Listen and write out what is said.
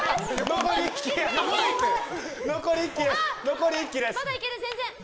残り１機です！